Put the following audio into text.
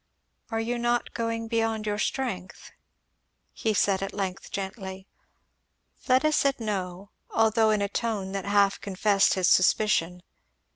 "Are you not going beyond your strength?" he said at length gently. Fleda said no, although in a tone that half confessed his suspicion.